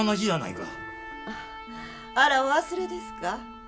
あらお忘れですか。